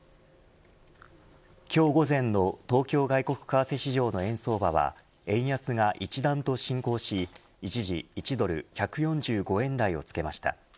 今日午前の東京外国為替市場の円相場は円安が一段と進行し一時、１ドル１４５円台をつけました。